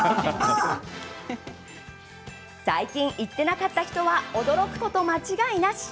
最近行ってなかった人は驚くこと間違いなし。